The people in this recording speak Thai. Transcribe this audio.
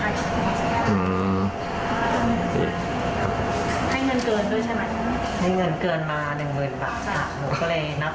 ให้เงินเกินด้วยใช่ไหมครับให้เงินเกินมาหนึ่งหมื่นบาทค่ะ